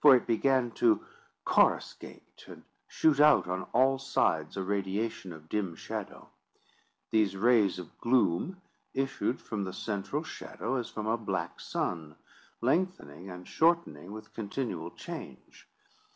For it began to coruscate, and shoot out on all sides a radiation of dim shadow. These rays of gloom issued from the central shadow as from a black sun, lengthening and shortening with continual change.